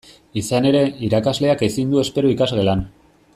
Izan ere, irakasleak ezin du espero ikasgelan.